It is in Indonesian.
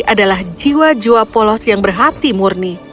adalah jiwa jiwa polos yang berhati murni